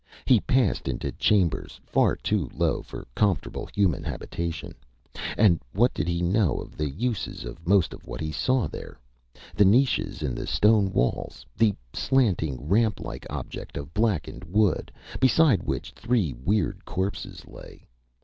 He passed into chambers far too low for comfortable human habitation. And what did he know of the uses of most of what he saw there? The niches in the stone walls? The slanting, ramplike object of blackened wood, beside which three weird corpses lay?